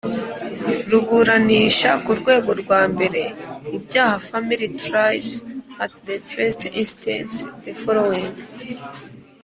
ruburanisha ku rwego rwa mbere ibyaha family tries at the first instance the following